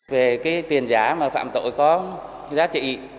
về cái tiền giả mà phạm tội có giá trị